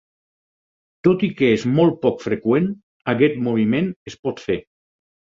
Tot i que és molt poc freqüent, aquest moviment es pot fer.